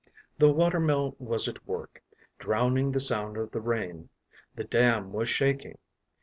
The watermill was at work, drowning the sound of the rain; the dam was shaking.